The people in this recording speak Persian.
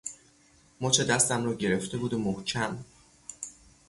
مچ دستم رو گرفته بود و محکم